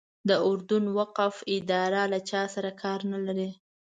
د اردن وقف اداره له چا سره کار نه لري.